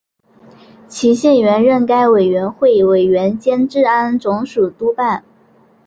齐燮元任该委员会委员兼治安总署督办。